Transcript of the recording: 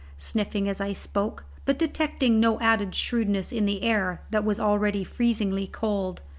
sniffing as I spoke, but detecting no added shrewdness in the air that was already freezingly cold.